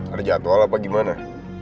ada jadwal apa gimana